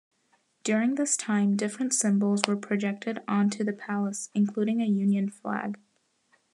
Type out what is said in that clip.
During this time different symbols were projected onto the palace including a Union Flag.